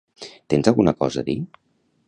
Tens alguna cosa a dir?